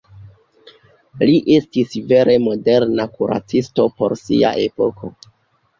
Li estis vere moderna kuracisto por sia epoko.